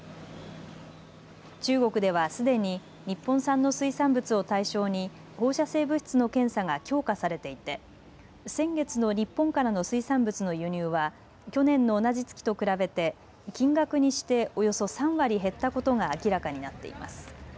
中国ではすでに日本産の水産物を対象に放射性物質の検査が強化されていて先月の日本からの水産物の輸入は去年の同じ月と比べて金額にしておよそ３割減ったことが明らかになっています。